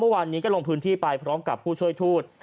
เขาจะลงพื้นที่ไปพร้อมกับผู้ช่วยทูต